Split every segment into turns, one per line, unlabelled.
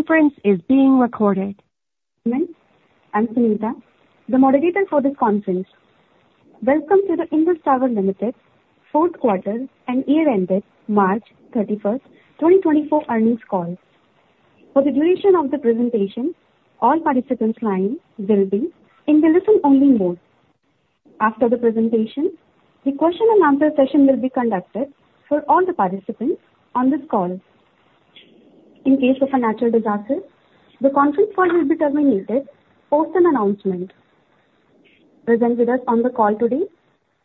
The conference is being recorded. I'm Sunita, the moderator for this conference. Welcome to the Indus Towers Limited fourth quarter and year-ended March 31, 2024 earnings call. For the duration of the presentation, all participants will be in the listen-only mode. After the presentation, the question and answer session will be conducted for all the participants on this call. In case of a natural disaster, the conference call will be terminated post an announcement. Present with us on the call today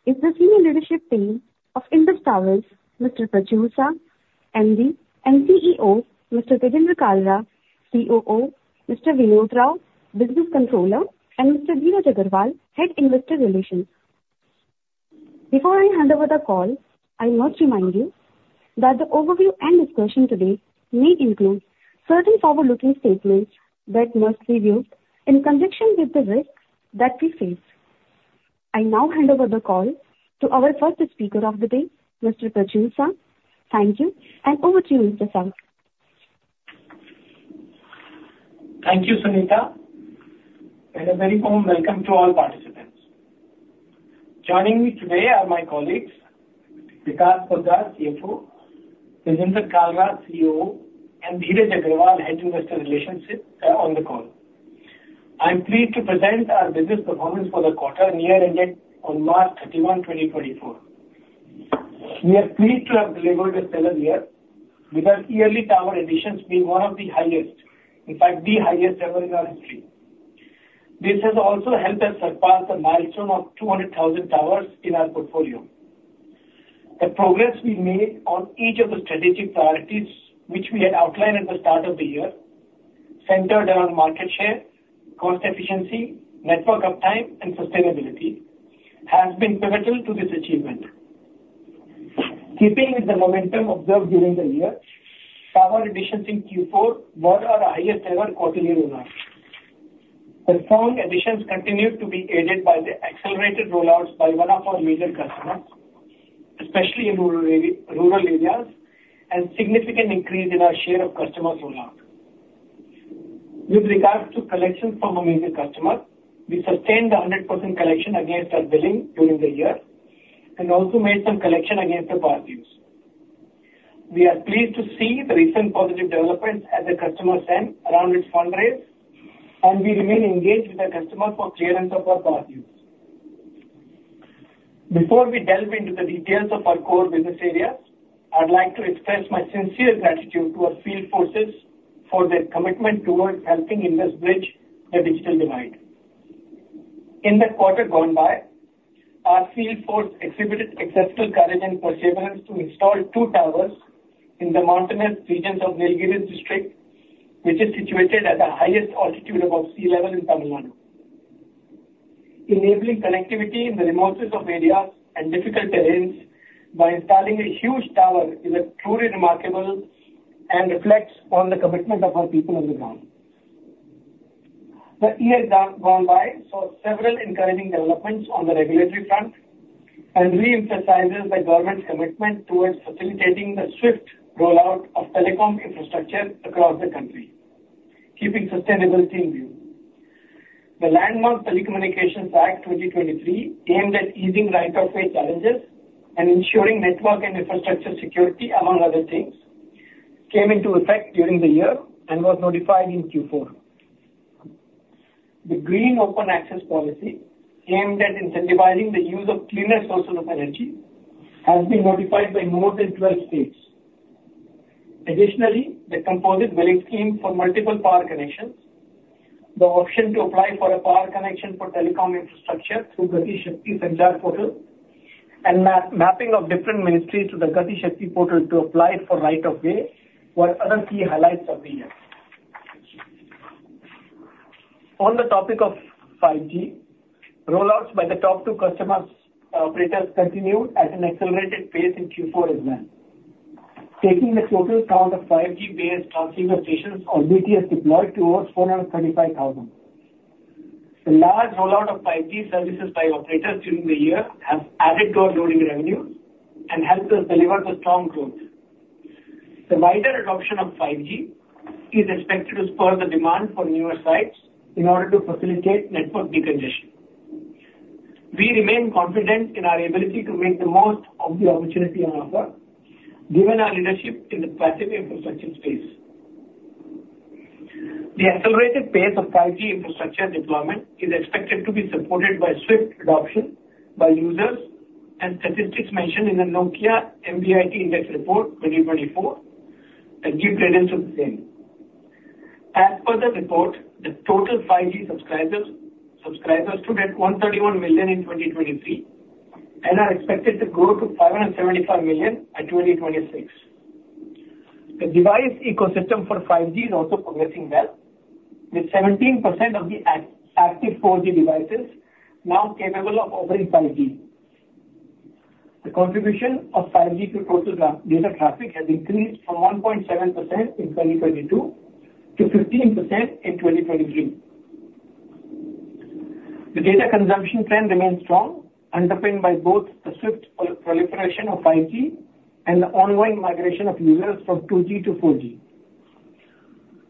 is the senior leadership team of Indus Towers, Mr. Prachur Sah, MD and CEO; Mr. Tejinder Kalra, COO; Mr. Vinod Rao, Business Controller; and Mr. Dheeraj Agarwal, Head Investor Relations. Before I hand over the call, I must remind you that the overview and discussion today may include certain forward-looking statements that must be viewed in conjunction with the risks that we face. I now hand over the call to our first speaker of the day, Mr. Prachur Sah. Thank you, and over to you, Mr. Sah.
Thank you, Sunita, and a very warm welcome to all participants. Joining me today are my colleagues, Vikas Poddar, CFO, Tejinder Kalra, COO, and Dheeraj Agarwal, Head of Investor Relations, on the call. I'm pleased to present our business performance for the quarter and year ended on March 31, 2024. We are pleased to have delivered a stellar year, with our yearly tower additions being one of the highest, in fact, the highest ever in our history. This has also helped us surpass the milestone of 200,000 towers in our portfolio. The progress we made on each of the strategic priorities, which we had outlined at the start of the year, centered around market share, cost efficiency, network uptime, and sustainability, has been pivotal to this achievement. Keeping with the momentum observed during the year, tower additions in Q4 were our highest ever quarterly rollout. The strong additions continued to be aided by the accelerated rollouts by one of our major customers, especially in rural areas, and significant increase in our share of customer rollout. With regards to collections from our major customer, we sustained a 100% collection against our billing during the year, and also made some collection against the past dues. We are pleased to see the recent positive developments at the customer's end around its fundraise, and we remain engaged with the customer for clearance of our past dues. Before we delve into the details of our core business areas, I'd like to express my sincere gratitude to our field forces for their commitment towards helping Indus bridge the digital divide. In the quarter gone by, our field force exhibited exceptional courage and perseverance to install two towers in the mountainous regions of Nilgiris district, which is situated at the highest altitude above sea level in Tamil Nadu. Enabling connectivity in the remotest of areas and difficult terrains by installing a huge tower is truly remarkable and reflects on the commitment of our people on the ground. The year gone by saw several encouraging developments on the regulatory front and re-emphasizes the government's commitment towards facilitating the swift rollout of telecom infrastructure across the country, keeping sustainability in view. The landmark Telecommunications Act 2023, aimed at easing right-of-way challenges and ensuring network and infrastructure security, among other things, came into effect during the year and was notified in Q4. The Green Open Access policy, aimed at incentivizing the use of cleaner sources of energy, has been notified by more than 12 states. Additionally, the composite billing scheme for multiple power connections, the option to apply for a power connection for telecom infrastructure through Gati Shakti central portal, and mapping of different ministries to the Gati Shakti portal to apply for right of way were other key highlights of the year. On the topic of 5G, rollouts by the top two customers, operators continued at an accelerated pace in Q4 as well, taking the total count of 5G-based transceiver stations, or BTS, deployed towards 435,000. The large rollout of 5G services by operators during the year have added to our loading revenues and helped us deliver the strong growth. The wider adoption of 5G is expected to spur the demand for newer sites in order to facilitate network decongestion. We remain confident in our ability to make the most of the opportunity on offer, given our leadership in the passive infrastructure space. The accelerated pace of 5G infrastructure deployment is expected to be supported by swift adoption by users, and statistics mentioned in the Nokia MBIT Index Report 2024 give credence to the same. As per the report, the total 5G subscribers stood at 131 million in 2023 and are expected to grow to 575 million by 2026. The device ecosystem for 5G is also progressing well, with 17% of the active 4G devices now capable of offering 5G. The contribution of 5G to total data traffic has increased from 1.7% in 2022 to 15% in 2023. The data consumption trend remains strong, underpinned by both the swift proliferation of 5G and the ongoing migration of users from 2G to 4G.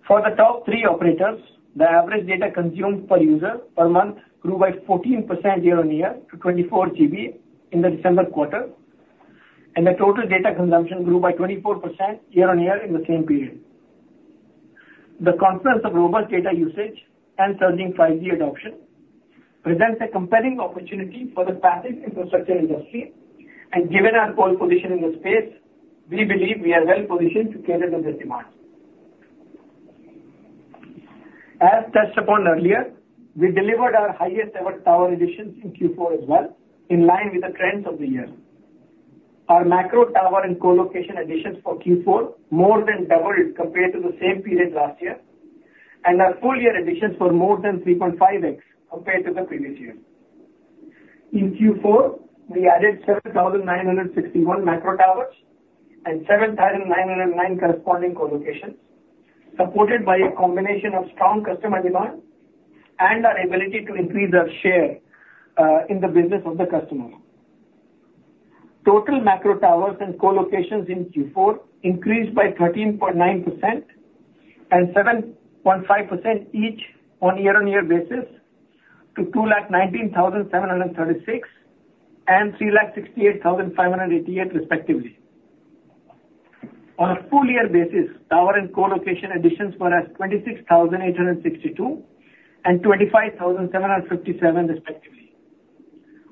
For the top three operators, the average data consumed per user per month grew by 14% year-on-year to 24 GB in the December quarter, and the total data consumption grew by 24% year-on-year in the same period. The confluence of robust data usage and surging 5G adoption presents a compelling opportunity for the passive infrastructure industry, and given our pole position in the space, we believe we are well-positioned to cater to this demand. As touched upon earlier, we delivered our highest ever tower additions in Q4 as well, in line with the trends of the year. Our macro tower and colocation additions for Q4 more than doubled compared to the same period last year, and our full year additions were more than 3.5x compared to the previous year. In Q4, we added 7,961 macro towers and 7,909 corresponding collocations, supported by a combination of strong customer demand and our ability to increase our share in the business of the customer. Total macro towers and collocations in Q4 increased by 13.9% and 7.5% each on a year-on-year basis, to 219,736 and 368,588, respectively. On a full year basis, tower and colocation additions were at 26,862 and 25,757, respectively.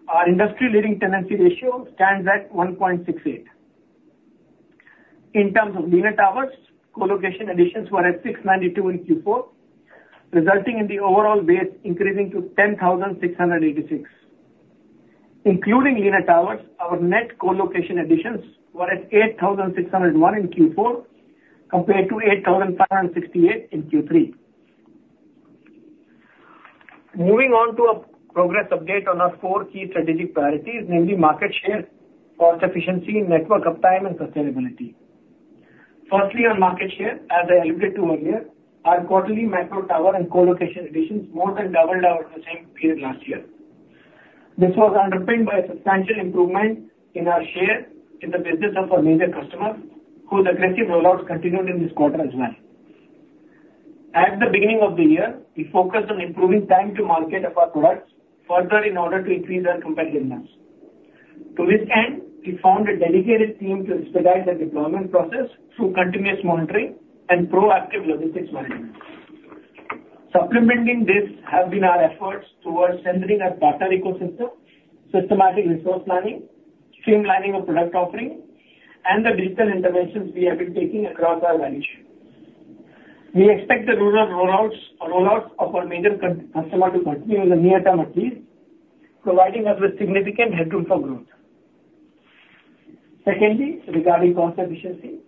Our industry-leading tenancy ratio stands at 1.68. In terms of linear towers, colocation additions were at 692 in Q4, resulting in the overall base increasing to 10,686. Including linear towers, our net colocation additions were at 8,601 in Q4, compared to 8,568 in Q3. Moving on to a progress update on our four key strategic priorities, namely market share, cost efficiency, network uptime, and sustainability. Firstly, on market share, as I alluded to earlier, our quarterly macro tower and colocation additions more than doubled over the same period last year. This was underpinned by a substantial improvement in our share in the business of our major customers, whose aggressive rollouts continued in this quarter as well. At the beginning of the year, we focused on improving time to market of our products further in order to increase our competitiveness. To this end, we formed a dedicated team to expedite the deployment process through continuous monitoring and proactive logistics management. Supplementing this have been our efforts towards centering our partner ecosystem, systematic resource planning, streamlining of product offering, and the digital interventions we have been taking across our value chain. We expect the rural rollouts or rollouts of our major customer to continue in the near term, at least, providing us with significant headroom for growth. Secondly, regarding cost efficiency,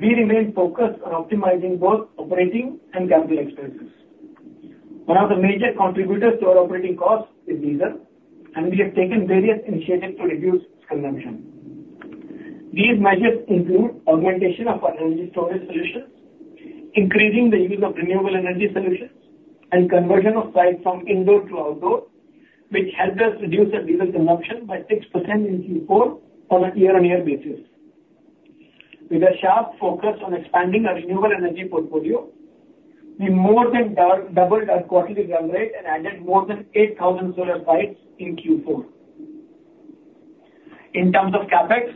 we remain focused on optimizing both operating and capital expenses. One of the major contributors to our operating costs is diesel, and we have taken various initiatives to reduce consumption. These measures include augmentation of our energy storage solutions, increasing the use of renewable energy solutions, and conversion of sites from indoor to outdoor, which helped us reduce our diesel consumption by 6% in Q4 on a year-on-year basis. With a sharp focus on expanding our renewable energy portfolio, we more than doubled our quarterly run rate and added more than 8,000 solar sites in Q4. In terms of CapEx,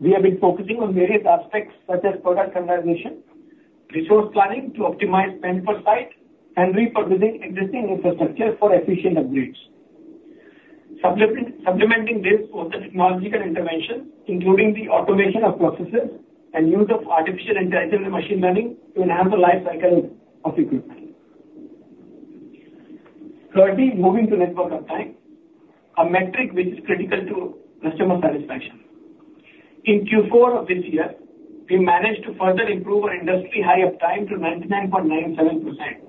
we have been focusing on various aspects, such as product standardization, resource planning to optimize spend per site, and repurposing existing infrastructure for efficient upgrades. Supplementing this was the technological intervention, including the automation of processes and use of artificial intelligence and machine learning to enhance the life cycle of equipment. Thirdly, moving to network uptime, a metric which is critical to customer satisfaction. In Q4 of this year, we managed to further improve our industry high uptime to 99.97%.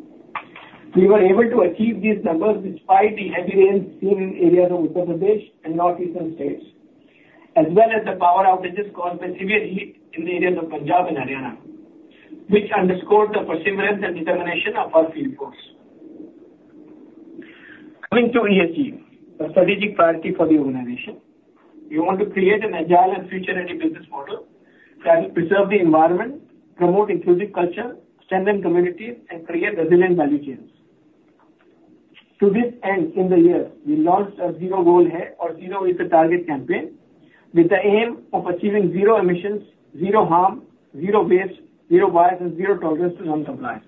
We were able to achieve these numbers despite the heavy rains seen in areas of Uttar Pradesh and northeastern states, as well as the power outages caused by severe heat in the areas of Punjab and Haryana, which underscores the perseverance and determination of our field force. Coming to ESG, a strategic priority for the organization. We want to create an agile and future-ready business model that will preserve the environment, promote inclusive culture, strengthen communities, and create resilient value chains. To this end, in the year, we launched a zero goal here or zero is a target campaign with the aim of achieving zero emissions, zero harm, zero waste, zero bias, and zero tolerance to non-compliance.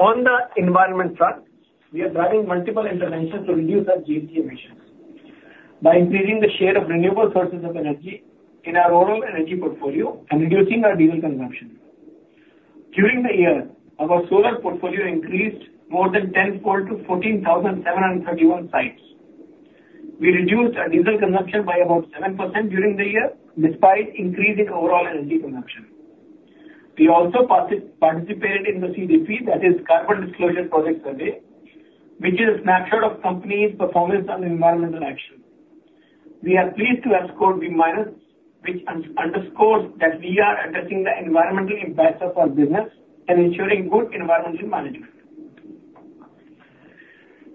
On the environment front, we are driving multiple interventions to reduce our GHG emissions by increasing the share of renewable sources of energy in our overall energy portfolio and reducing our diesel consumption. During the year, our solar portfolio increased more than tenfold to 14,731 sites. We reduced our diesel consumption by about 7% during the year, despite increasing overall energy consumption. We also participated in the CDP, that is Carbon Disclosure Project Survey, which is a snapshot of company's performance on environmental action. We are pleased to have scored B minus, which underscores that we are addressing the environmental impacts of our business and ensuring good environmental management.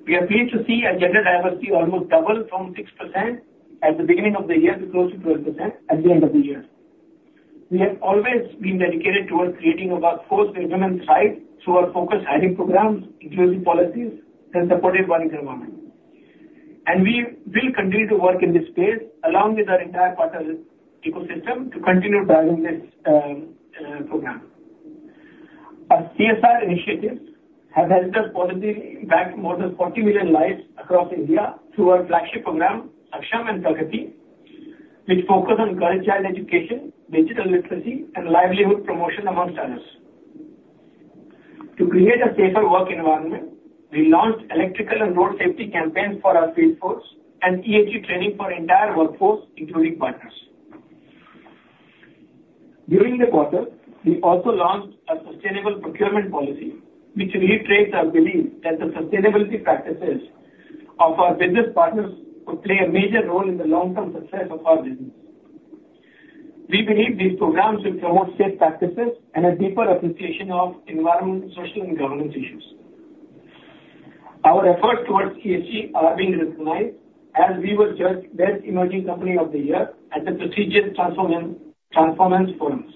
We are pleased to see our gender diversity almost double from 6% at the beginning of the year, to close to 12% at the end of the year. We have always been dedicated towards creating a workforce with women on-site, through our focused hiring programs, inclusive policies, and supportive work environment. We will continue to work in this space, along with our entire partner ecosystem, to continue driving this program. Our CSR initiatives have helped us positively impact more than 40 million lives across India through our flagship program, Saksham and Pragati, which focus on girl child education, digital literacy, and livelihood promotion, among others. To create a safer work environment, we launched electrical and road safety campaigns for our workforce, and EHS training for entire workforce, including partners. During the quarter, we also launched a sustainable procurement policy, which reiterates our belief that the sustainability practices of our business partners will play a major role in the long-term success of our business. We believe these programs will promote safe practices and a deeper appreciation of environment, social, and governance issues. Our efforts towards ESG are being recognized, as we were judged Best Emerging Company of the Year at the prestigious Transformance Forums.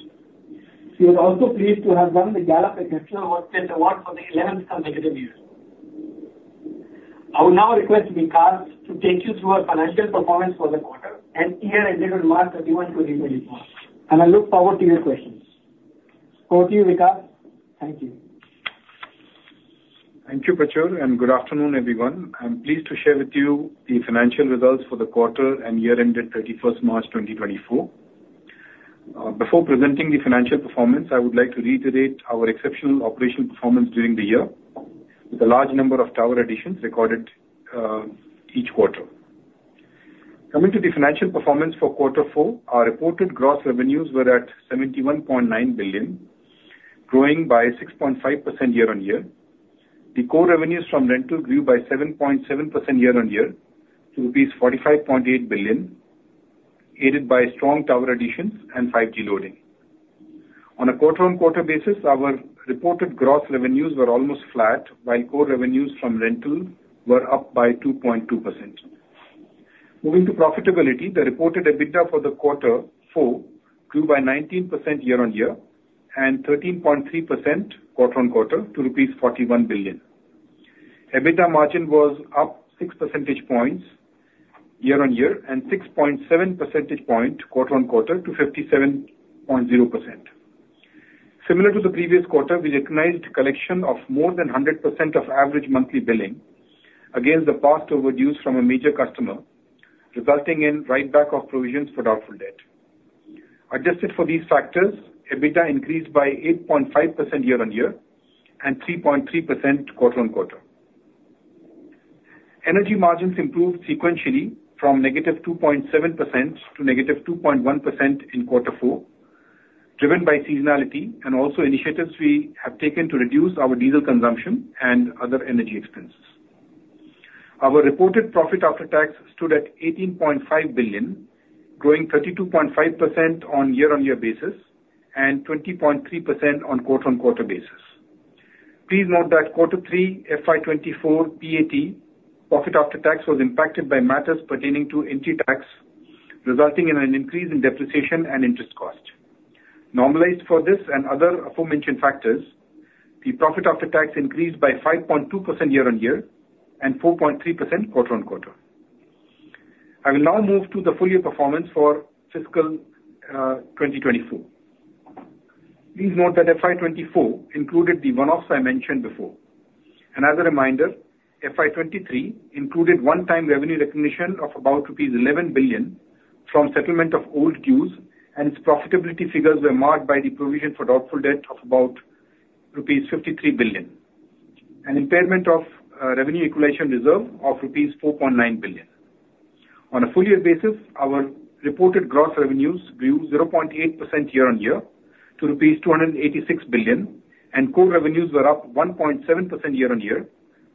We are also pleased to have won the Gallup Excellent Workplace Award for the eleventh consecutive year. I will now request Vikas to take you through our financial performance for the quarter, and year-end remarks that he wants to read with you, and I look forward to your questions. Over to you, Vikas. Thank you.
Thank you, Prachur, and good afternoon, everyone. I'm pleased to share with you the financial results for the quarter and year-ended 31st March 2024. Before presenting the financial performance, I would like to reiterate our exceptional operational performance during the year, with a large number of tower additions recorded each quarter. Coming to the financial performance for quarter four, our reported gross revenues were at 71.9 billion, growing by 6.5% year-on-year. The core revenues from rental grew by 7.7% year-on-year to rupees 45.8 billion, aided by strong tower additions and 5G loading. On a quarter-on-quarter basis, our reported gross revenues were almost flat, while core revenues from rental were up by 2.2%. Moving to profitability, the reported EBITDA for the quarter four grew by 19% year-on-year and 13.3% quarter-on-quarter to rupees 41 billion. EBITDA margin was up 6 percentage points year-on-year and 6.7 percentage points quarter-on-quarter to 57.0%. Similar to the previous quarter, we recognized collection of more than 100% of average monthly billing against the past overdues from a major customer, resulting in write back of provisions for doubtful debt. Adjusted for these factors, EBITDA increased by 8.5% year-on-year and 3.3% quarter-on-quarter. Energy margins improved sequentially from -2.7% to -2.1% in quarter four, driven by seasonality and also initiatives we have taken to reduce our diesel consumption and other energy expenses. Our reported profit after tax stood at 18.5 billion, growing 32.5% on year-on-year basis and 20.3% on quarter-on-quarter basis. Please note that Q3, FY 2024 PAT, profit after tax, was impacted by matters pertaining to NTPC tax, resulting in an increase in depreciation and interest cost. Normalized for this and other aforementioned factors, the profit after tax increased by 5.2% year-on-year and 4.3% quarter-on-quarter. I will now move to the full year performance for fiscal 2024. Please note that FY 2024 included the one-offs I mentioned before. As a reminder, FY 2023 included one-time revenue recognition of about rupees 11 billion from settlement of old dues, and its profitability figures were marked by the provision for doubtful debt of about rupees 53 billion. An impairment of revenue equalization reserve of rupees 4.9 billion. On a full year basis, our reported gross revenues grew 0.8% year-on-year to rupees 286 billion, and core revenues were up 1.7% year-on-year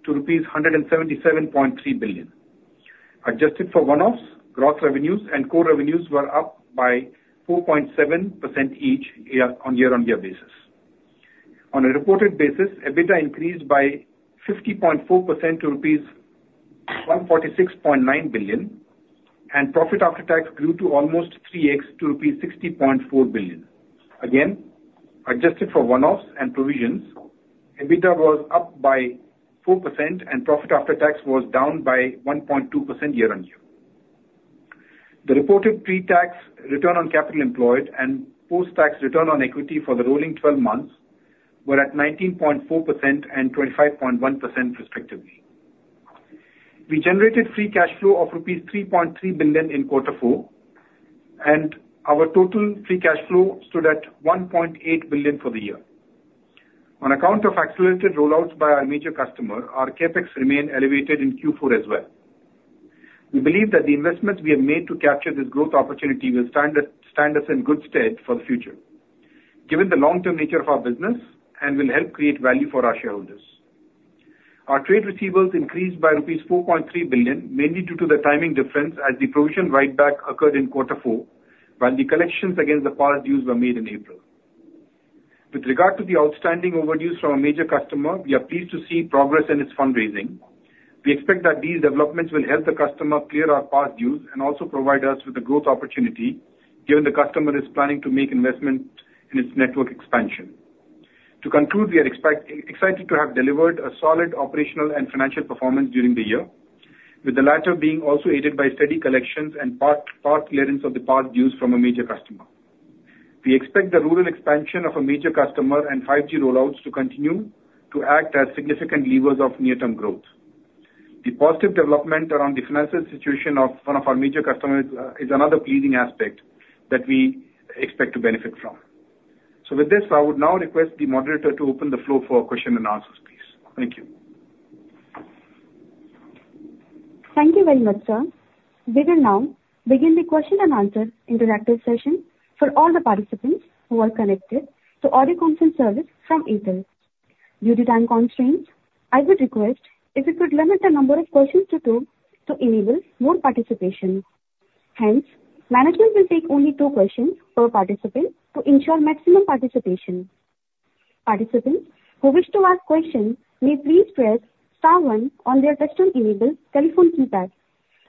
to rupees 177.3 billion. Adjusted for one-offs, gross revenues and core revenues were up by 4.7% each year, on year-on-year basis. On a reported basis, EBITDA increased by 50.4% to rupees 146.9 billion, and profit after tax grew to almost 3x to rupees 60.4 billion. Again, adjusted for one-offs and provisions, EBITDA was up by 4% and profit after tax was down by 1.2% year-on-year. The reported pre-tax return on capital employed and post-tax return on equity for the rolling twelve months were at 19.4% and 25.1% respectively. We generated free cash flow of rupees 3.3 billion in quarter four, and our total free cash flow stood at 1.8 billion for the year. On account of accelerated rollouts by our major customer, our CapEx remained elevated in Q4 as well. We believe that the investments we have made to capture this growth opportunity will stand us, stand us in good stead for the future, given the long-term nature of our business, and will help create value for our shareholders. Our trade receivables increased by rupees 4.3 billion, mainly due to the timing difference, as the provision write-back occurred in quarter four, while the collections against the past dues were made in April. With regard to the outstanding overdues from a major customer, we are pleased to see progress in its fundraising. We expect that these developments will help the customer clear our past dues and also provide us with a growth opportunity, given the customer is planning to make investment in its network expansion. To conclude, we are excited to have delivered a solid operational and financial performance during the year, with the latter being also aided by steady collections and part clearance of the past dues from a major customer. We expect the rural expansion of a major customer and 5G rollouts to continue to act as significant levers of near-term growth. The positive development around the financial situation of one of our major customers is another pleasing aspect that we expect to benefit from. With this, I would now request the moderator to open the floor for question and answers, please. Thank you.
Thank you very much, sir. We will now begin the question-and-answer interactive session for all the participants who are connected to audio conference service from Airtel. Due to time constraints, I would request if you could limit the number of questions to two, to enable more participation. Hence, management will take only two questions per participant to ensure maximum participation. Participants who wish to ask questions may please press star one on their touch-tone enabled telephone keypad.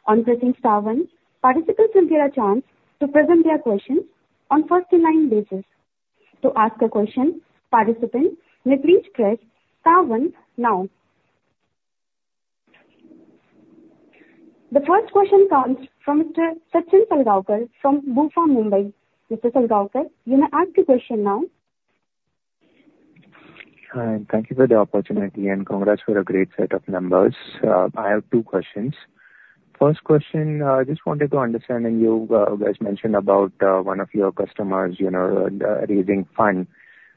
On pressing star one, participants will get a chance to present their questions on first in line basis. To ask a question, participants may please press star one now. The first question comes from Mr. Sachin Salgaonkar from BofA Mumbai. Mr. Salgaonkar, you may ask your question now.
Hi, thank you for the opportunity, and congrats for a great set of numbers. I have two questions. First question, I just wanted to understand, and you guys mentioned about one of your customers, you know, raising funds.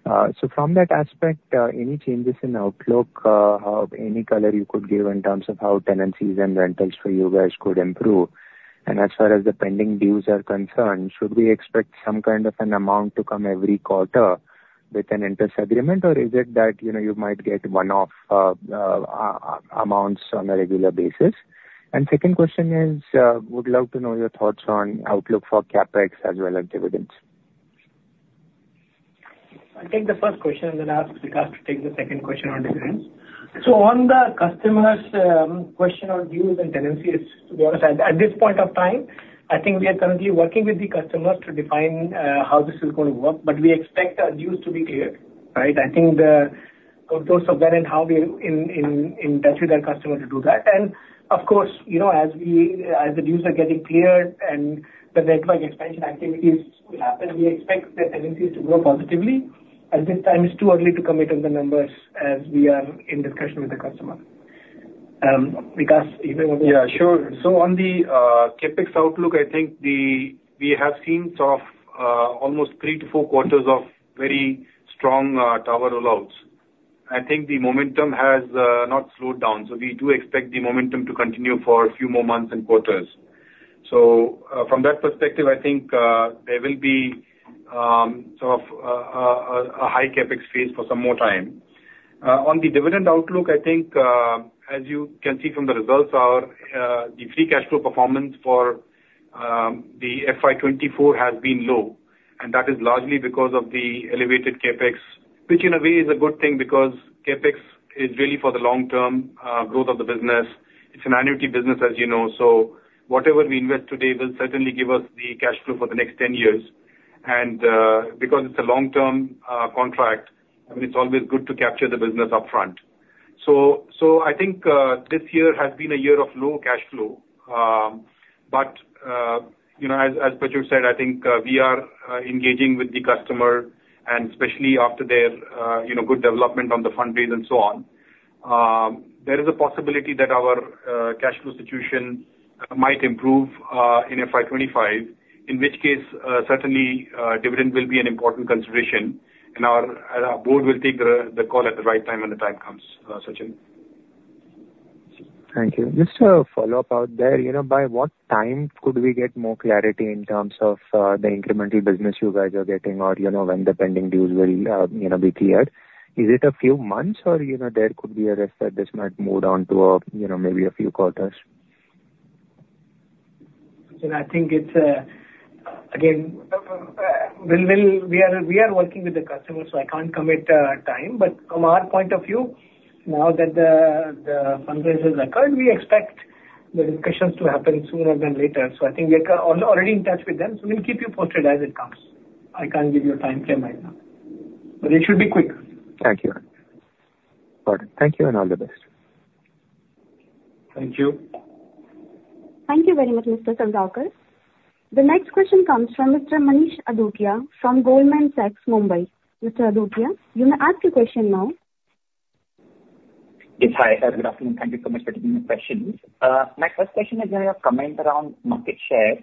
So from that aspect, any changes in outlook, of any color you could give in terms of how tenancies and rentals for you guys could improve? And as far as the pending dues are concerned, should we expect some kind of an amount to come every quarter with an interest agreement, or is it that, you know, you might get one-off amounts on a regular basis? And second question is, would love to know your thoughts on outlook for CapEx as well as dividends.
I'll take the first question, then ask Vikas to take the second question on dividends. So on the customers, question on dues and tenancies, to be honest, at this point of time, I think we are currently working with the customers to define, how this is going to work, but we expect our dues to be cleared, right? I think in terms of where and how we are in touch with our customer to do that. And of course, you know, as we, as the dues are getting cleared and the network expansion activities will happen, we expect the tenancies to grow positively. At this time, it's too early to commit on the numbers as we are in discussion with the customer. Vikas, if you want to-
Yeah, sure. So on the CapEx outlook, I think the... We have seen sort of, almost 3-4 quarters of very strong, tower rollouts. I think the momentum has, not slowed down, so we do expect the momentum to continue for a few more months and quarters. So, from that perspective, I think, there will be, sort of, a high CapEx phase for some more time. On the dividend outlook, I think, as you can see from the results, our, the free cash flow performance for, the FY 2024 has been low, and that is largely because of the elevated CapEx, which in a way is a good thing because CapEx is really for the long-term, growth of the business. It's an annuity business, as you know, so whatever we invest today will certainly give us the cash flow for the next 10 years. Because it's a long-term contract, I mean, it's always good to capture the business upfront. So, I think this year has been a year of low cash flow. But you know, as Prachur said, I think we are engaging with the customer, and especially after their you know, good development on the fundraise and so on. There is a possibility that our cash flow situation might improve in FY 25, in which case, certainly, dividend will be an important consideration, and our board will take the call at the right time when the time comes, Sachin.
Thank you. Just a follow-up out there. You know, by what time could we get more clarity in terms of, the incremental business you guys are getting or, you know, when the pending dues will, you know, be cleared? Is it a few months or, you know, there could be a risk that this might move on to, maybe a few quarters?
And I think it's again we are working with the customer, so I can't commit a time. But from our point of view, now that the fundraise has occurred, we expect the discussions to happen sooner than later. So I think we are already in touch with them, so we'll keep you posted as it comes. I can't give you a timeframe right now, but it should be quick.
Thank you. All right. Thank you and all the best.
Thank you.
Thank you very much, Mr. Salgaonkar. The next question comes from Mr. Manish Adukia from Goldman Sachs, Mumbai. Mr. Adukia, you may ask your question now.
Yes. Hi, good afternoon. Thank you so much for taking my questions. My first question is on your comment around market share,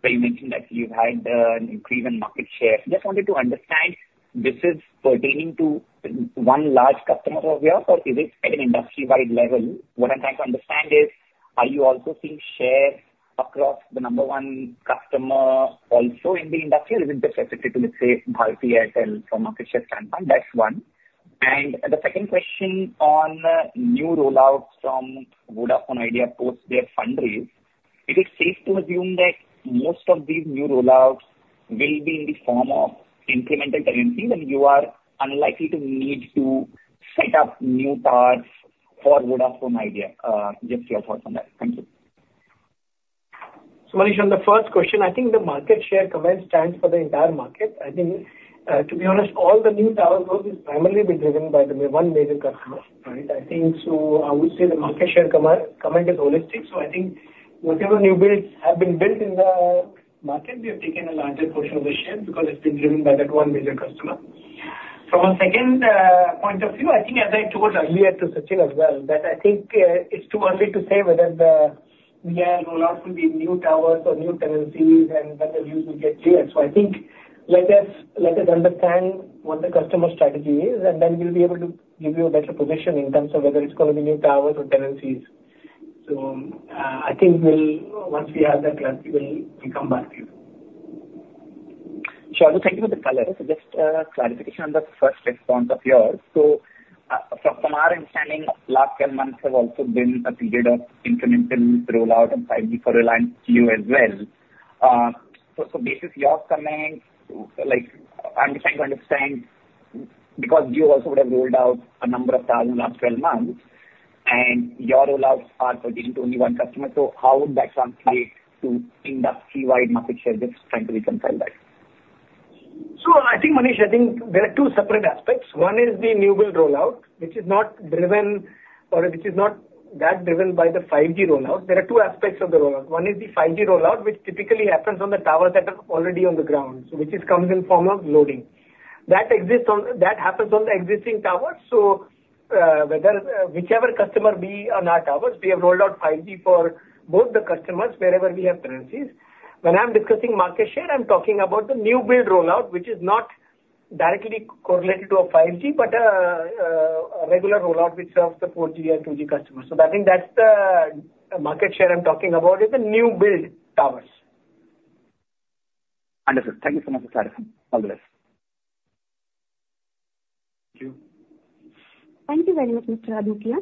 where you mentioned that you've had an increase in market share. Just wanted to understand, this is pertaining to one large customer of yours, or is it at an industry-wide level? What I'm trying to understand is, are you also seeing share across the number one customer also in the industry, is it just safe to, let's say, Bharti Airtel from a market share standpoint? That's one. And the second question on new rollouts from Vodafone Idea post their fundraise, is it safe to assume that most of these new rollouts will be in the form of incremental tenancies, and you are unlikely to need to set up new towers for Vodafone Idea? Just your thoughts on that. Thank you.
So Manish, on the first question, I think the market share comment stands for the entire market. I think, to be honest, all the new tower growth is primarily being driven by the one major customer, right? I think so I would say the market share comment is holistic, so I think whatever new builds have been built in the market, we have taken a larger portion of the share because it's been driven by that one major customer. From a second point of view, I think as I told earlier to Sachin as well, that I think, it's too early to say whether the near rollouts will be new towers or new tenancies and when the view will get clear. So I think, let us, let us understand what the customer strategy is, and then we'll be able to give you a better position in terms of whether it's going to be new towers or tenancies. So, I think we'll... Once we have that clarity, we'll, we'll come back to you.
Sure. Thank you for the clarity. So just, clarification on the first response of yours. So, from our understanding, last 10 months have also been a period of incremental rollout of 5G for Reliance Jio as well. So, so based on your comments, like, I'm trying to understand, because Jio also would have rolled out a number of towers in last 12 months, and your rollouts are pertaining to only one customer. So how would that translate to industry-wide market share? Just trying to reconcile that.
So I think, Manish, I think there are two separate aspects. One is the new build rollout, which is not driven or which is not that driven by the 5G rollout. There are two aspects of the rollout: One is the 5G rollout, which typically happens on the towers that are already on the ground, so which is comes in form of loading. That happens on the existing towers, so, whether, whichever customer be on our towers, we have rolled out 5G for both the customers wherever we have tenancies. When I'm discussing market share, I'm talking about the new build rollout, which is not directly correlated to a 5G, but a regular rollout which serves the 4G and 2G customers. So I think that's the market share I'm talking about, is the new build towers.
Understood. Thank you so much for clarifying. All the best.
Thank you.
Thank you very much, Mr. Adukia.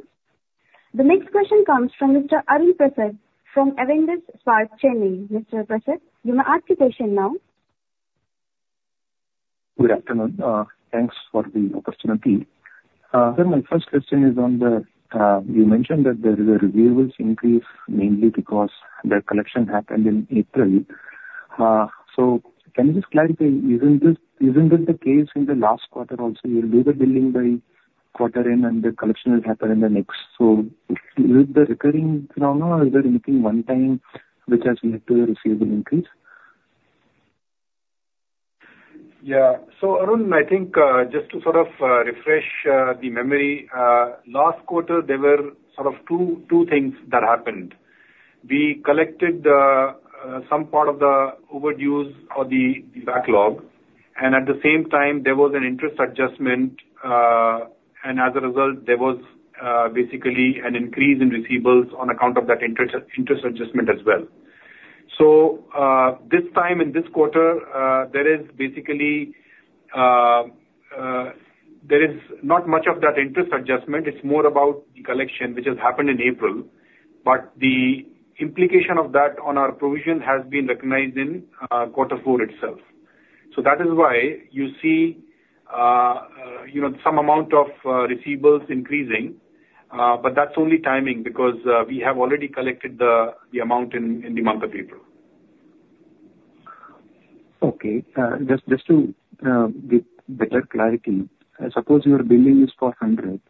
The next question comes from Mr. Arun Prasath from Avendus Spark, Chennai. Mr. Prasath, you may ask your question now.
Good afternoon. Thanks for the opportunity. Sir, my first question is on the, you mentioned that there is a receivables increase, mainly because the collection happened in April. So can you just clarify, isn't this, isn't this the case in the last quarter also? You will do the billing by quarter end, and the collection will happen in the next. So is it a recurring phenomenon or is there anything one-time which has led to the receivable increase?
Yeah. So, Arun, I think, just to sort of, refresh, the memory, last quarter, there were sort of two, two things that happened. We collected, some part of the overdues or the, the backlog, and at the same time, there was an interest adjustment. And as a result, there was, basically an increase in receivables on account of that interest adjustment as well. So, this time, in this quarter, there is basically, there is not much of that interest adjustment. It's more about the collection, which has happened in April. But the implication of that on our provision has been recognized in, quarter four itself. So that is why you see, you know, some amount of, receivables increasing. But that's only timing, because we have already collected the amount in the month of April.
Okay. Just to get better clarity, suppose your billing is for 100,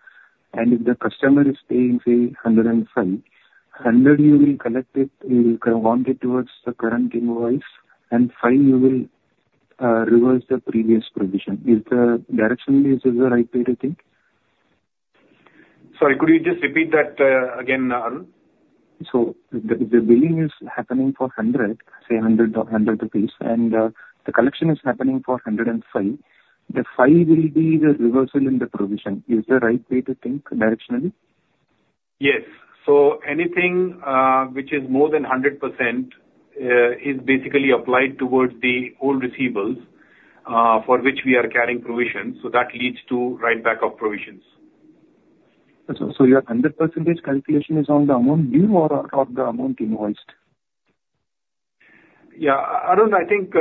and if the customer is paying, say, 105, 100 you will collect it, you will count it towards the current invoice and 5 you will reverse the previous provision. Is the direction, is the right way to think?
Sorry, could you just repeat that again, Arun?
So the billing is happening for 100, say 100, and the collection is happening for 105. The 5 will be the reversal in the provision. Is the right way to think directionally?
Yes. So anything, which is more than 100%, is basically applied towards the old receivables, for which we are carrying provisions, so that leads to write back of provisions.
Your 100% calculation is on the amount due or the amount invoiced?
Yeah. Arun, I think,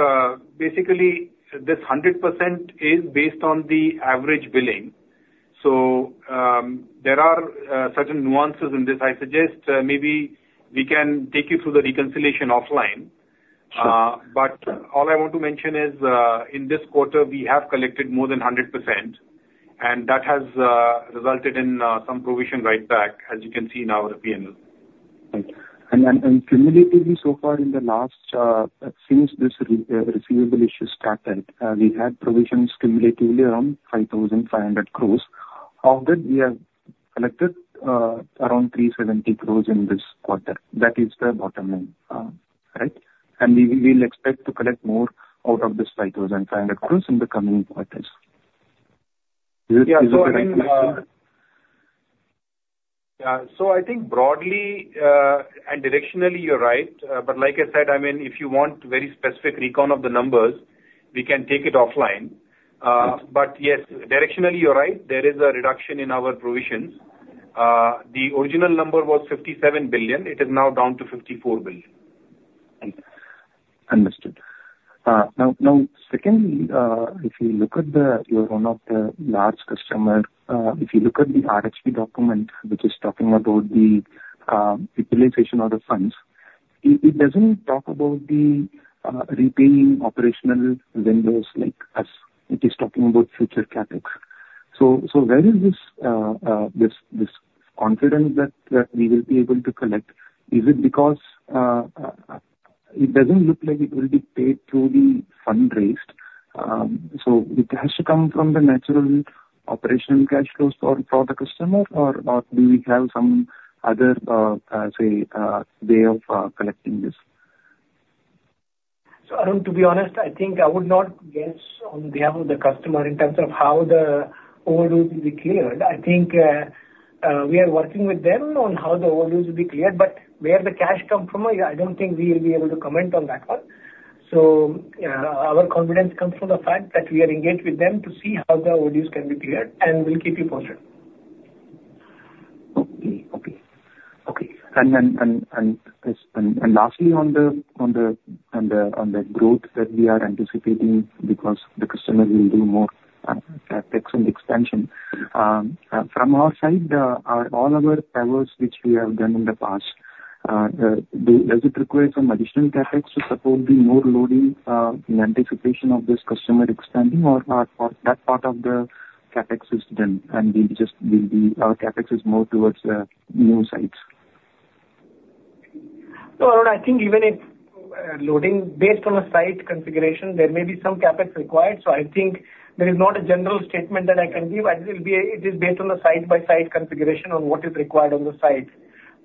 basically, this 100% is based on the average billing. So, there are certain nuances in this. I suggest, maybe we can take you through the reconciliation offline.
Sure.
All I want to mention is, in this quarter, we have collected more than 100%, and that has resulted in some provision write back, as you can see in our P&L.
Right. And cumulatively, so far in the last since this receivable issue started, we had provisions cumulatively around 5,500 crore. Of that, we have collected around 370 crore in this quarter. That is the bottom line, right? And we, we'll expect to collect more out of this 5,500 crore in the coming quarters. Is it-
Yeah, so I think broadly, and directionally, you're right. But like I said, I mean, if you want very specific recon of the numbers, we can take it offline. But yes, directionally, you're right, there is a reduction in our provisions. The original number was 57 billion. It is now down to 54 billion.
Understood. Now, secondly, if you look at the, you are one of the large customer, if you look at the RHP document, which is talking about the, utilization of the funds, it doesn't talk about the, repaying operational vendors like us. It is talking about future CapEx. So where is this, this confidence that we will be able to collect? Is it because it doesn't look like it will be paid through the fundraised? So it has to come from the natural operational cash flows for the customer, or do we have some other, say, way of collecting this?
So Arun, to be honest, I think I would not guess on behalf of the customer in terms of how the overdue will be cleared. I think, we are working with them on how the overdues will be cleared, but where the cash come from, I, I don't think we will be able to comment on that one. So, our confidence comes from the fact that we are engaged with them to see how the overdues can be cleared, and we'll keep you posted.
Okay. Okay, okay. And lastly, on the growth that we are anticipating, because the customer will do more CapEx and expansion. From our side, are all our towers which we have done in the past, does it require some additional CapEx to support the more loading in anticipation of this customer expanding, or that part of the CapEx is done, and we just, our CapEx is more towards the new sites?
No, Arun, I think even if loading based on a site configuration, there may be some CapEx required. So I think there is not a general statement that I can give. It is based on a site-by-site configuration on what is required on the site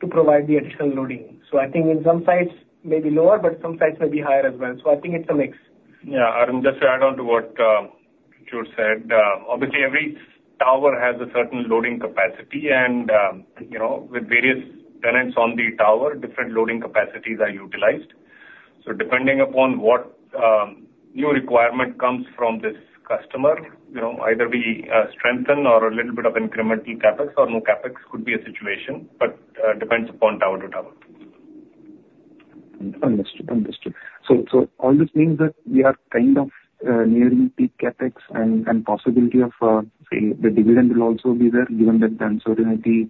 to provide the additional loading. So I think in some sites may be lower, but some sites may be higher as well. So I think it's a mix.
Yeah, Arun, just to add on to what Kalra said, obviously, every tower has a certain loading capacity, and, you know, with various tenants on the tower, different loading capacities are utilized. So depending upon what new requirement comes from this customer, you know, either we strengthen or a little bit of incremental CapEx or no CapEx could be a situation, but depends upon tower to tower.
Understood. Understood. So all this means that we are kind of nearing peak CapEx and possibility of say the dividend will also be there, given that the uncertainty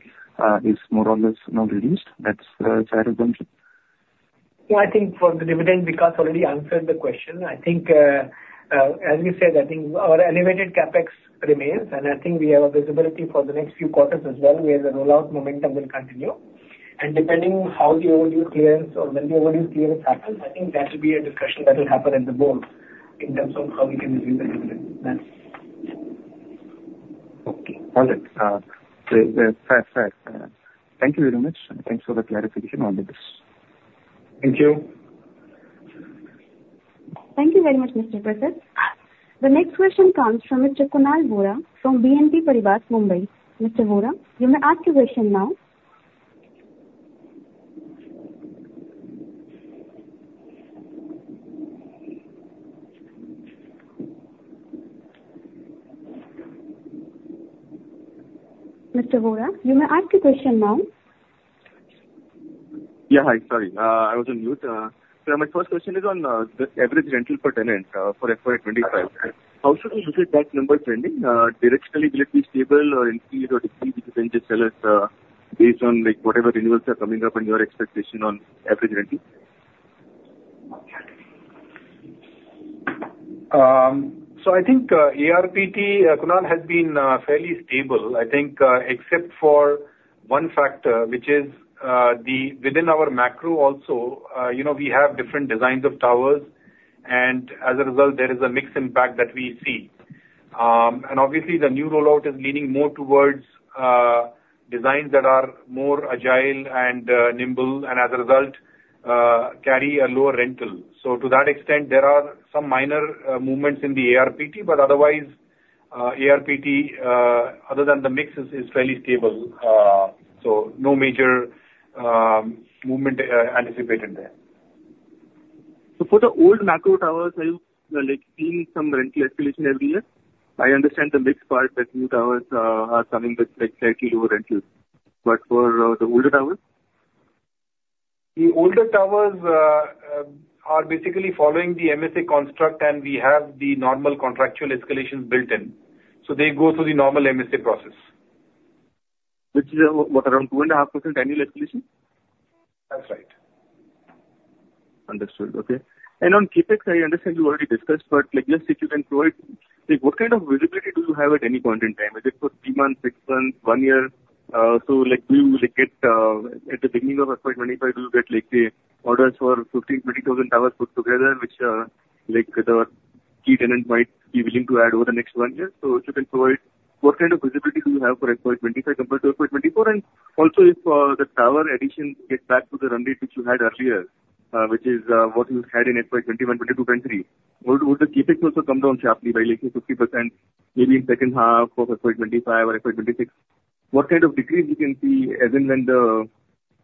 is more or less now reduced. That's my assumption.
Well, I think for the dividend, Vikas already answered the question. I think, as we said, I think our elevated CapEx remains, and I think we have a visibility for the next few quarters as well, where the rollout momentum will continue. Depending how the overdue clearance or when the overdue clearance happens, I think that will be a discussion that will happen at the board in terms of how we can review the dividend. Thanks.
Okay. All right. Fair, fair. Thank you very much, and thanks for the clarification on this.
Thank you.
Thank you very much, Mr. Prasath. The next question comes from Mr. Kunal Vora from BNP Paribas, Mumbai. Mr. Vora, you may ask your question now. Mr. Vora, you may ask your question now.
Yeah, hi. Sorry, I was on mute. So my first question is on the average rental per tenant for FY 25. How should we look at that number trending? Directionally, will it be stable or increase or decrease? If you can just tell us, based on, like, whatever renewals are coming up and your expectation on average rental.
So I think ARPT, Kunal, has been fairly stable. I think, except for one factor, which is within our macro also, you know, we have different designs of towers, and as a result, there is a mix impact that we see. And obviously, the new rollout is leaning more towards designs that are more agile and nimble, and as a result, carry a lower rental. So to that extent, there are some minor movements in the ARPT, but otherwise, ARPT, other than the mix, is fairly stable. So no major movement anticipated there.
For the old macro towers, are you, like, seeing some rental escalation every year? I understand the mixed part, that new towers are coming with, like, slightly lower rentals. But for the older towers?
The older towers are basically following the MSA construct, and we have the normal contractual escalations built in. So they go through the normal MSA process.
Which is, what? Around 2.5% annual escalation?
That's right.
Understood. Okay. And on CapEx, I understand you already discussed, but, like, just if you can provide, like, what kind of visibility do you have at any point in time? Is it for three months, six months, one year? So, like, we will get, at the beginning of FY 25, we'll get, like, the orders for 15, 20,000 towers put together, which, like, the key tenant might be willing to add over the next one year. So if you can provide, what kind of visibility do you have for FY 25 compared to FY 24? And also, if the tower addition gets back to the run rate which you had earlier? Which is what you had in FY 21, 22, and 23. Would the CapEx also come down sharply by like 50%, maybe in second half of FY 25 or FY 26? What kind of decrease we can see as and when the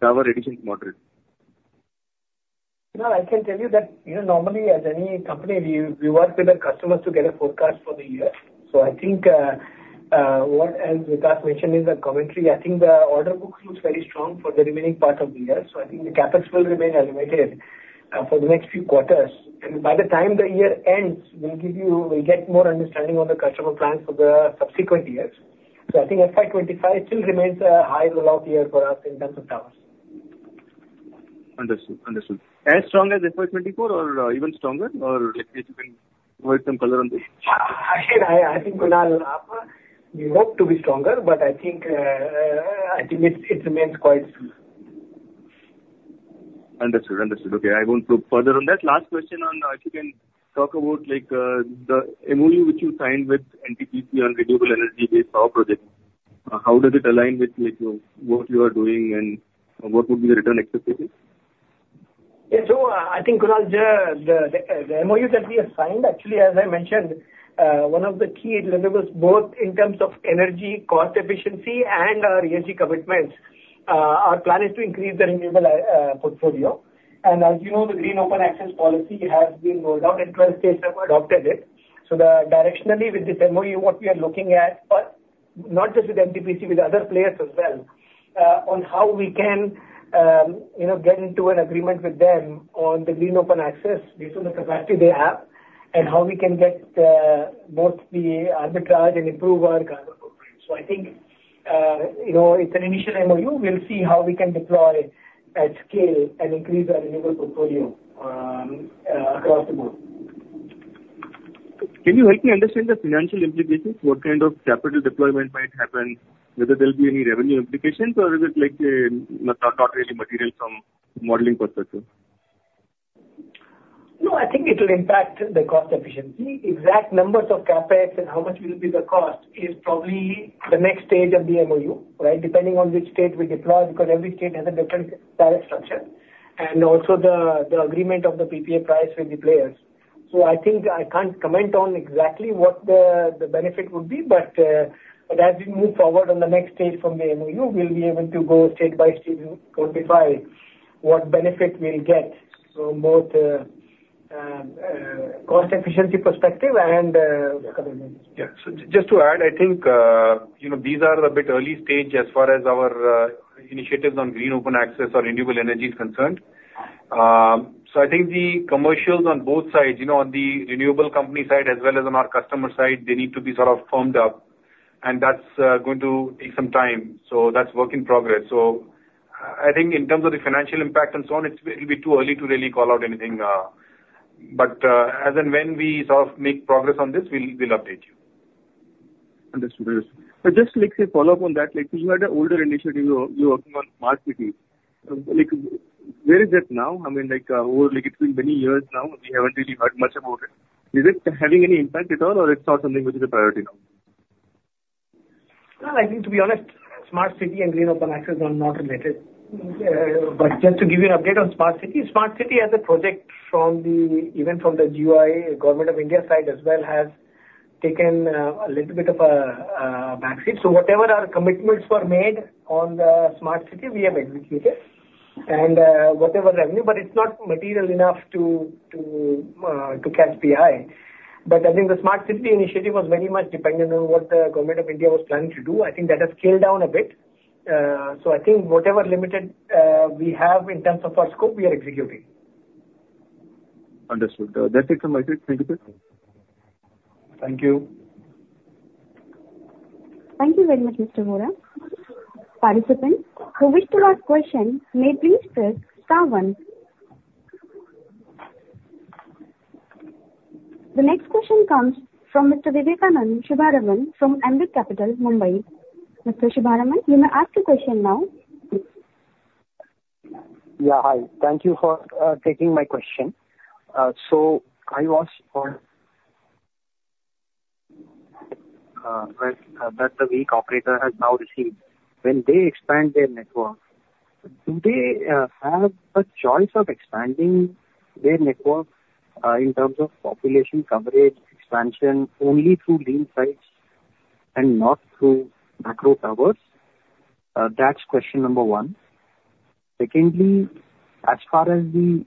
tower addition is moderate?
No, I can tell you that, you know, normally as any company, we, we work with our customers to get a forecast for the year. So I think, what as Vikas mentioned in the commentary, I think the order book looks very strong for the remaining part of the year. So I think the CapEx will remain elevated, for the next few quarters, and by the time the year ends, we'll give you- we'll get more understanding on the customer plans for the subsequent years. So I think FY 25 still remains a high rollout year for us in terms of towers.
Understood. Understood. As strong as FY 2024, or, even stronger, or like if you can provide some color on this?
I think, Kunal, we hope to be stronger, but I think, I think it's, it remains quite...
Understood. Understood. Okay, I won't probe further on that. Last question on, if you can talk about, like, the MOU which you signed with NTPC on renewable energy-based power projects. How does it align with, like, what you are doing and what would be the return expectation?
Yeah. So I think, Kunal, the MOU that we have signed, actually, as I mentioned, one of the key enablers, both in terms of energy, cost efficiency, and our ESG commitments, our plan is to increase the renewable portfolio. And as you know, the Green Open Access policy has been rolled out, and 12 states have adopted it. So directionally, with this MOU, what we are looking at, but not just with NTPC, with other players as well, on how we can, you know, get into an agreement with them on the Green Open Access based on the capacity they have, and how we can get both the arbitrage and improve our carbon footprint. So I think, you know, it's an initial MOU. We'll see how we can deploy at scale and increase our renewable portfolio, across the board.
Can you help me understand the financial implications? What kind of capital deployment might happen? Whether there'll be any revenue implications, or is it like, not really material from modeling perspective?
No, I think it will impact the cost efficiency. Exact numbers of CapEx and how much will be the cost is probably the next stage of the MOU, right? Depending on which state we deploy, because every state has a different tariff structure, and also the agreement of the PPA price with the players. So I think I can't comment on exactly what the benefit would be, but as we move forward on the next stage from the MOU, we'll be able to go state by state and codify what benefit we'll get from both cost efficiency perspective and the government.
Yeah. So just to add, I think, you know, these are a bit early stage as far as our initiatives on Green Open Access or renewable energy is concerned. So I think the commercials on both sides, you know, on the renewable company side as well as on our customer side, they need to be sort of firmed up, and that's going to take some time. So that's work in progress. So I think in terms of the financial impact and so on, it's, it'll be too early to really call out anything, but as and when we sort of make progress on this, we'll update you.
Understood. Understood. So just like a follow-up on that, like, you had an older initiative you, you were working on Smart City. Like where is that now? I mean, like, over, like, it's been many years now, and we haven't really heard much about it. Is it having any impact at all, or it's not something which is a priority now?
Well, I think, to be honest, Smart City and Green Open Access are not related. But just to give you an update on Smart City, Smart City as a project from the—even from the GOI, Government of India, side as well, has taken a little bit of a backseat. So whatever our commitments were made on the Smart City, we have executed. And whatever revenue, but it's not material enough to catch PI. But I think the Smart City initiative was very much dependent on what the government of India was planning to do. I think that has scaled down a bit. So I think whatever limited we have in terms of our scope, we are executing.
Understood. That's it from my side. Thank you.
Thank you.
Thank you very much, Mr. Vora. Participants who wish to ask question may please press star one. The next question comes from Mr. Vivekanand Subbaraman from Ambit Capital, Mumbai. Mr. Subbaraman, you may ask your question now.
Yeah, hi. Thank you for taking my question. So I was on... well, that the weak operator has now received. When they expand their network, do they have a choice of expanding their network in terms of population coverage expansion only through lean sites and not through macro towers? That's question number one. Secondly, as far as the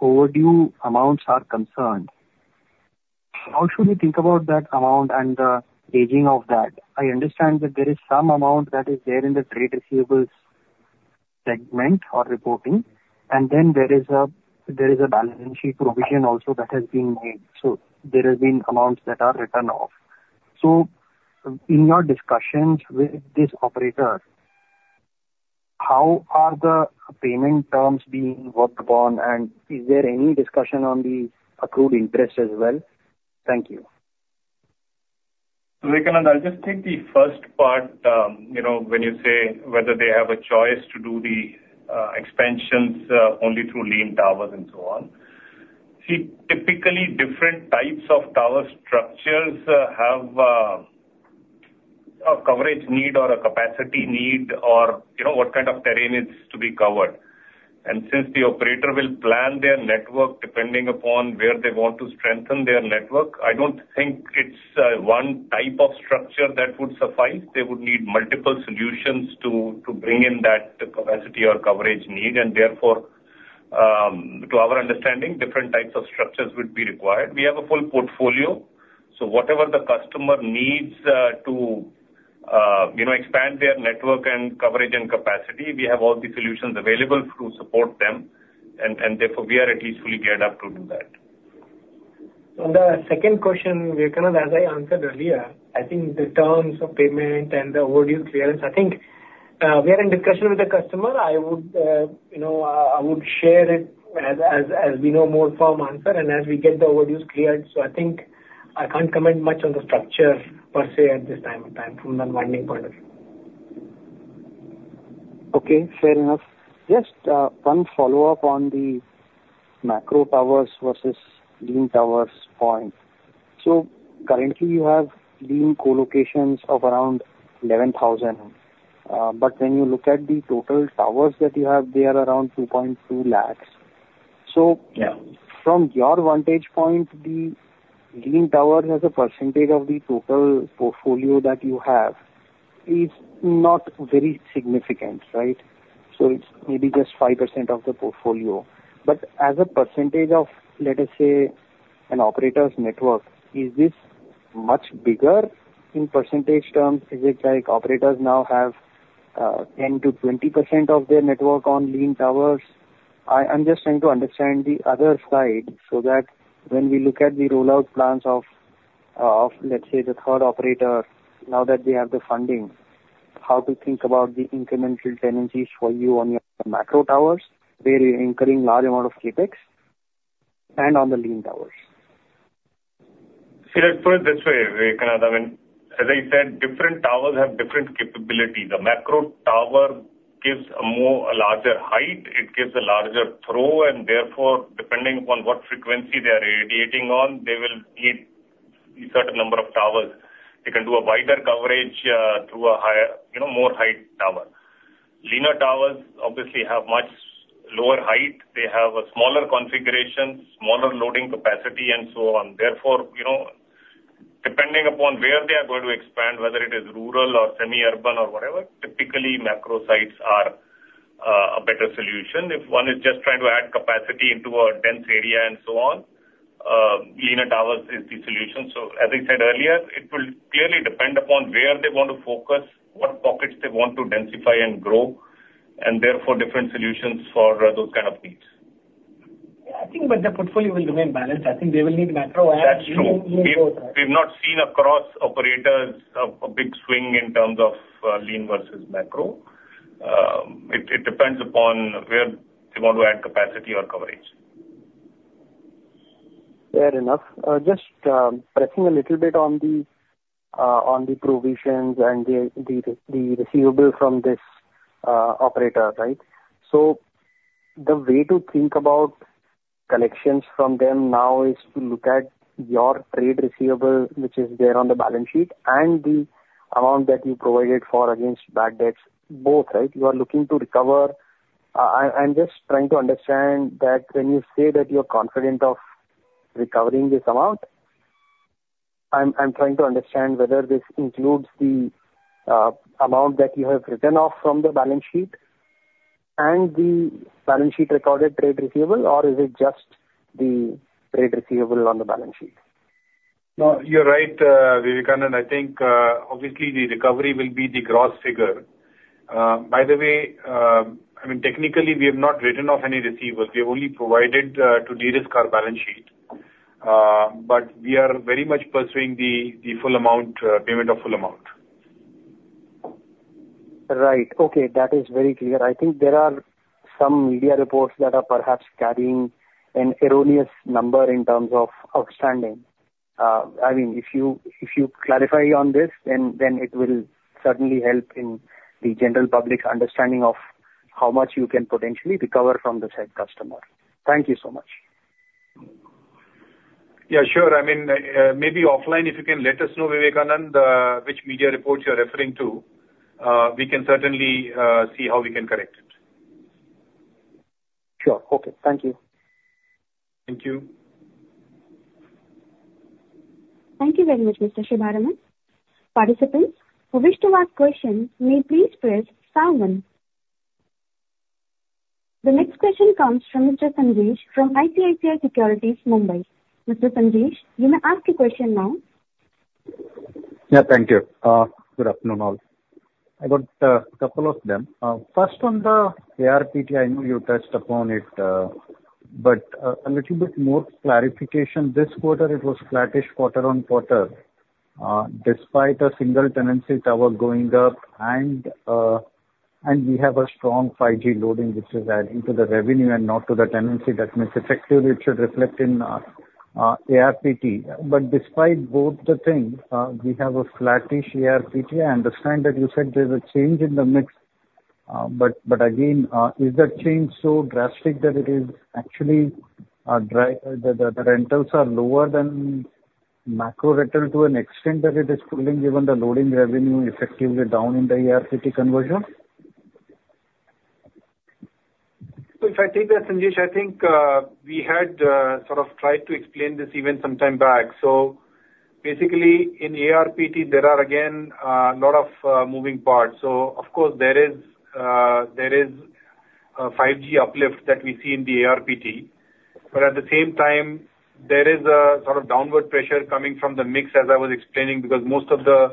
overdue amounts are concerned, how should we think about that amount and the aging of that? I understand that there is some amount that is there in the trade receivables segment or reporting, and then there is a there is a balance sheet provision also that has been made. So there has been amounts that are written off. So in your discussions with this operator, how are the payment terms being worked upon, and is there any discussion on the accrued interest as well? Thank you.
So, Vivekanand, I'll just take the first part. You know, when you say whether they have a choice to do the expansions only through lean towers and so on. See, typically, different types of tower structures have... ... coverage need or a capacity need or, you know, what kind of terrain is to be covered. And since the operator will plan their network depending upon where they want to strengthen their network, I don't think it's one type of structure that would suffice. They would need multiple solutions to bring in that capacity or coverage need, and therefore, to our understanding, different types of structures would be required. We have a full portfolio, so whatever the customer needs to you know expand their network and coverage and capacity, we have all the solutions available to support them and therefore, we are at least fully geared up to do that.
On the second question, Vivekanand, as I answered earlier, I think the terms of payment and the overdue clearance, I think, we are in discussion with the customer. I would, you know, I would share it as, as, as we know more firm answer and as we get the overdues cleared. So I think I can't comment much on the structure per se at this time of time from the winding point of view.
Okay, fair enough. Just, one follow-up on the macro towers versus lean towers point. So currently you have lean colocations of around 11,000, but when you look at the total towers that you have, they are around 2.2 lakhs. From your vantage point, the lean tower as a percentage of the total portfolio that you have is not very significant, right? So it's maybe just 5% of the portfolio. But as a percentage of, let us say, an operator's network, is this much bigger in percentage terms? Is it like operators now have 10%-20% of their network on lean towers? I'm just trying to understand the other side, so that when we look at the rollout plans of, of let's say, the third operator, now that they have the funding, how to think about the incremental tenancies for you on your macro towers, where you're incurring large amount of CapEx and on the lean towers.
See, let's put it this way, Vivekanand. I mean, as I said, different towers have different capabilities. The macro tower gives a more, a larger height, it gives a larger throw, and therefore, depending upon what frequency they are radiating on, they will need a certain number of towers. They can do a wider coverage through a higher, you know, more height tower. Lean towers obviously have much lower height. They have a smaller configuration, smaller loading capacity, and so on. Therefore, you know, depending upon where they are going to expand, whether it is rural or semi-urban or whatever, typically macro sites are a better solution. If one is just trying to add capacity into a dense area and so on, lean towers is the solution. As I said earlier, it will clearly depend upon where they want to focus, what pockets they want to densify and grow, and therefore, different solutions for those kind of needs.
Yeah, I think but the portfolio will remain balanced. I think they will need macro and-
That's true.
Lean both.
We've not seen across operators a big swing in terms of lean versus macro. It depends upon where they want to add capacity or coverage.
Fair enough. Just pressing a little bit on the provisions and the receivable from this operator, right? So the way to think about collections from them now is to look at your trade receivable, which is there on the balance sheet, and the amount that you provided for against bad debts, both, right? You are looking to recover. I’m just trying to understand that when you say that you’re confident of recovering this amount, I’m trying to understand whether this includes the amount that you have written off from the balance sheet and the balance sheet recorded trade receivable, or is it just the trade receivable on the balance sheet?
No, you're right, Vivekanand, I think, obviously the recovery will be the gross figure. By the way, I mean, technically, we have not written off any receivables. We have only provided to derisk our balance sheet. But we are very much pursuing the full amount, payment of full amount.
Right. Okay, that is very clear. I think there are some media reports that are perhaps carrying an erroneous number in terms of outstanding. I mean, if you, if you clarify on this, then, then it will certainly help in the general public understanding of how much you can potentially recover from the said customer. Thank you so much.
Yeah, sure. I mean, maybe offline, if you can let us know, Vikash, which media reports you're referring to, we can certainly see how we can correct it.
Sure. Okay. Thank you.
Thank you.
Thank you very much, Mr. Subbaraman. Participants who wish to ask questions may please press star one. The next question comes from Mr. Sanjesh from ICICI Securities, Mumbai. Mr. Sanjesh, you may ask your question now.
Yeah, thank you. Good afternoon, all. I got a couple of them. First on the ARPT, I know you touched upon it, but a little bit more clarification. This quarter, it was flattish quarter-on-quarter, despite a single tenancy tower going up and we have a strong 5G loading which is adding to the revenue and not to the tenancy. That means effectively, it should reflect in ARPT. But despite both the things, we have a flattish ARPT. I understand that you said there's a change in the mix... But again, is the change so drastic that it is actually driving the rentals are lower than macro towers to an extent that it is pulling even the loading revenue effectively down in the ARPT conversion?
So if I take that, Sanjesh, I think we had sort of tried to explain this event some time back. So basically, in ARPT, there are again a lot of moving parts. So of course, there is a 5G uplift that we see in the ARPT. But at the same time, there is a sort of downward pressure coming from the mix, as I was explaining, because most of the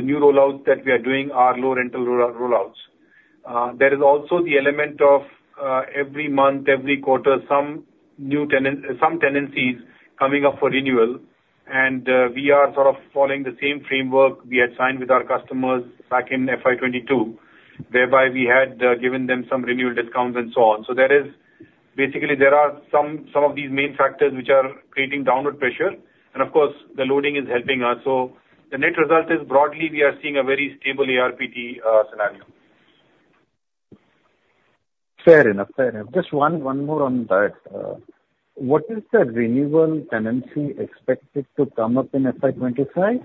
new rollouts that we are doing are low rental rollouts. There is also the element of every month, every quarter, some new tenancies coming up for renewal, and we are sort of following the same framework we had signed with our customers back in FY 2022, whereby we had given them some renewal discounts and so on. So there is, basically, there are some of these main factors which are creating downward pressure, and of course, the loading is helping us. So the net result is broadly we are seeing a very stable ARPT scenario.
Fair enough. Fair enough. Just one, one more on that. What is the renewal tenancy expected to come up in FY 25?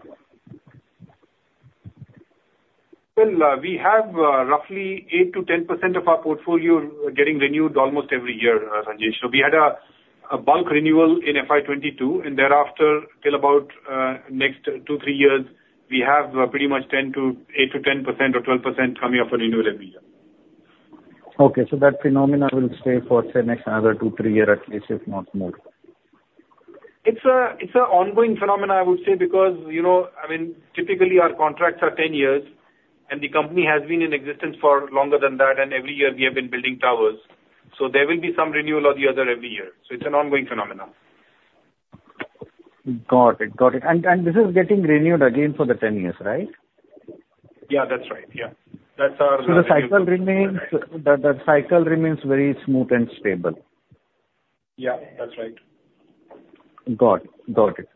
Well, we have roughly 8%-10% of our portfolio getting renewed almost every year, Sanjesh. So we had a bulk renewal in FY 2022, and thereafter till about next 2-3 years, we have pretty much 8%-10% or 12% coming up for renewal every year.
Okay, so that phenomenon will stay for, say, next another two, three years at least, if not more.
It's an ongoing phenomenon, I would say, because, you know, I mean, typically our contracts are 10 years, and the company has been in existence for longer than that, and every year we have been building towers, so there will be some renewal or the other every year. So it's an ongoing phenomenon.
Got it, got it. And, and this is getting renewed again for the 10 years, right?
Yeah, that's right. Yeah. That's our-
So the cycle remains very smooth and stable.
Yeah, that's right.
Got it. Got it.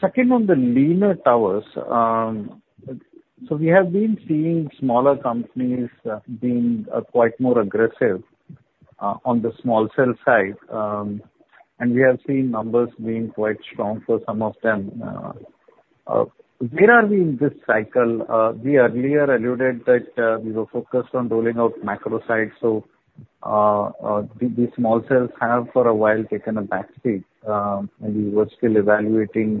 Second, on the lean towers, so we have been seeing smaller companies being quite more aggressive on the small cell side, and we have seen numbers being quite strong for some of them. Where are we in this cycle? We earlier alluded that we were focused on rolling out macro sites, so the small cells have for a while taken a back seat, and we were still evaluating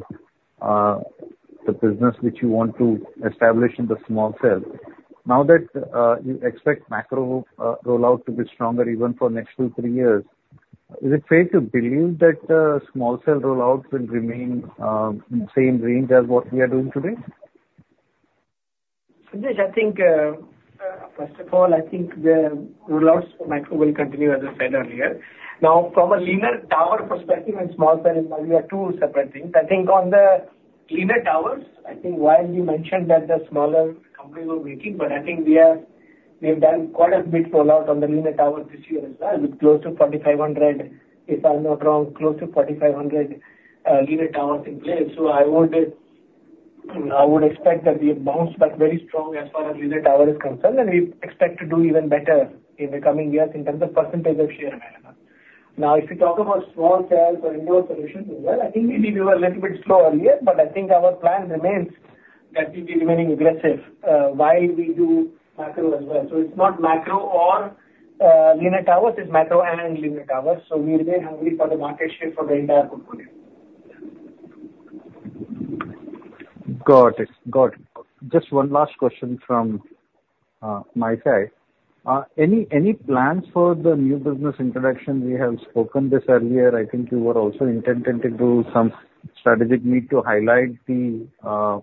the business which you want to establish in the small cell. Now that you expect macro rollout to be stronger even for next two, three years, is it fair to believe that small cell rollouts will remain in the same range as what we are doing today?
Sanjesh, I think, first of all, I think the rollouts for macro will continue, as I said earlier. Now, from a lean tower perspective and small cell, they are two separate things. I think on the lean towers, I think while you mentioned that the smaller companies were waiting, but I think we are, we've done quite a bit rollout on the lean towers this year as well, with close to 4,500, if I'm not wrong, close to 4,500, lean towers in place. So I would, I would expect that we bounce back very strong as far as lean tower is concerned, and we expect to do even better in the coming years in terms of percentage of share manner. Now, if you talk about small cells or indoor solutions as well, I think we, we were a little bit slow earlier, but I think our plan remains that we be remaining aggressive, while we do macro as well. So it's not macro or, lean towers, it's macro and lean towers, so we remain hungry for the market share for the entire portfolio.
Got it. Got it. Just one last question from my side. Any plans for the new business introduction? We have spoken this earlier. I think you were also intending to do some strategic meet to highlight the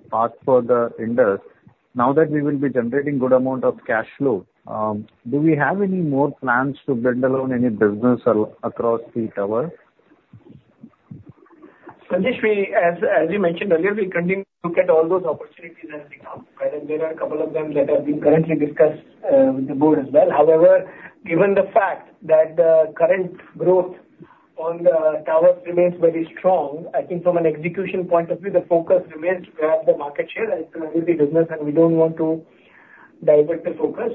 path for the industry. Now that we will be generating good amount of cash flow, do we have any more plans to build around any business across the tower?
Sanjesh, as we mentioned earlier, we continue to look at all those opportunities as we come. There are a couple of them that have been currently discussed with the board as well. However, given the fact that the current growth on the towers remains very strong, I think from an execution point of view, the focus remains to grab the market share and to grow the business, and we don't want to divert the focus.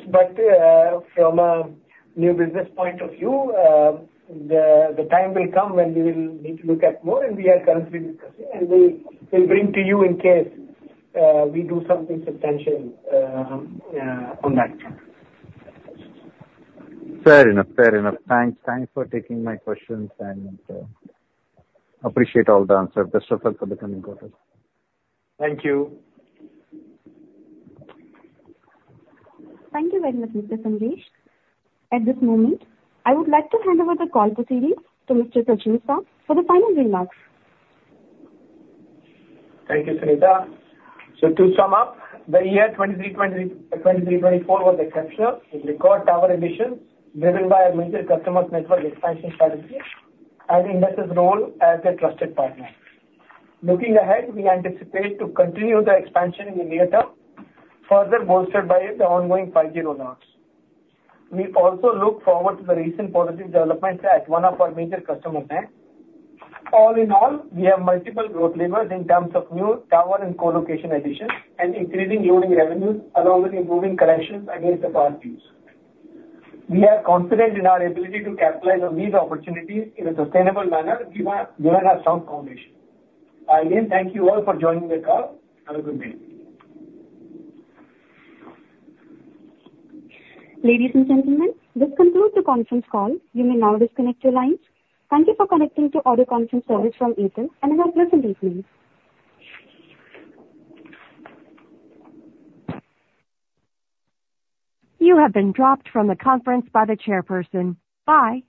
From a new business point of view, the time will come when we will need to look at more, and we are currently discussing, and we will bring to you in case we do something substantial on that front.
Fair enough. Fair enough. Thanks. Thanks for taking my questions, and appreciate all the answers. Best of luck for the coming quarters.
Thank you.
Thank you very much, Mr. Sanjesh. At this moment, I would like to hand over the call to CEO, to Mr. Prachur Sah, for the final remarks.
Thank you, Sunita. To sum up, the year 2023-2024 was exceptional, with record tower additions driven by major customers' network expansion strategies and Indus' role as a trusted partner. Looking ahead, we anticipate to continue the expansion in the near term, further bolstered by the ongoing 5G rollouts. We also look forward to the recent positive developments at one of our major customers there. All in all, we have multiple growth levers in terms of new tower and co-location additions and increasing loading revenues, along with improving collections against the power fees. We are confident in our ability to capitalize on these opportunities in a sustainable manner, given our strong foundation. Again, thank you all for joining the call. Have a good day.
Ladies and gentlemen, this concludes the conference call. You may now disconnect your lines. Thank you for connecting to audio conference service from Airtel, and have a pleasant evening.
You have been dropped from the conference by the chairperson. Bye!